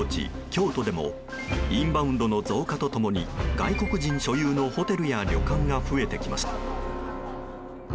京都でもインバウンドの増加と共に外国人所有のホテルや旅館が増えてきました。